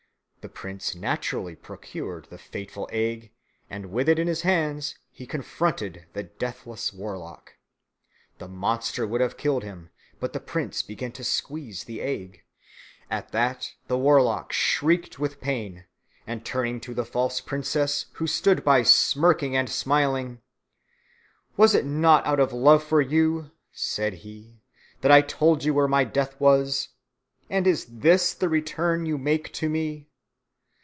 The prince naturally procured the fateful egg and with it in his hands he confronted the deathless warlock. The monster would have killed him, but the prince began to squeeze the egg. At that the warlock shrieked with pain, and turning to the false princess, who stood by smirking and smiling, "Was it not out of love for you," said he, "that I told you where my death was? And is this the return you make to me?"